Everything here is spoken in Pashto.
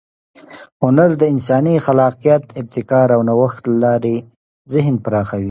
هنر د انساني خلاقیت، ابتکار او نوښت له لارې ذهن پراخوي.